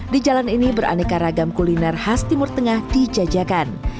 di jalan ini beraneka ragam kuliner khas timur tengah dijajakan